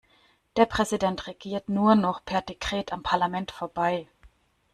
Der Präsident regiert nur noch per Dekret am Parlament vorbei.